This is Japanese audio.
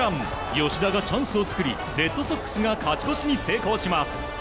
吉田がチャンスを作りレッドソックスが勝ち越しに成功します。